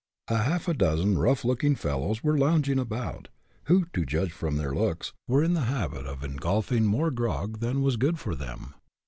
A half a dozen rough looking fellows were lounging about, who, to judge from their looks, were in the habit of ingulfing more grog than was good for them.